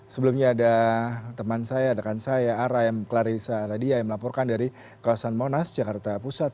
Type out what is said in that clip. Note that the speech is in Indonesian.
sebelumnya ada teman saya adakan saya aram clarissa radia yang melaporkan dari kawasan monas jakarta pusat